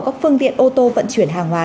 các phương tiện ô tô vận chuyển hàng hóa